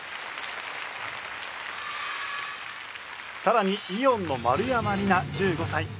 さらにイオンの丸山莉奈１５歳。